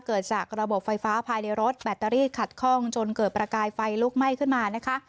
เกิดจากระบบไฟฟ้าภายในรถแบตเตอรี่ขัดคล่องจนเกิดประกายไฟลุกไหม้ขึ้นมานะคะ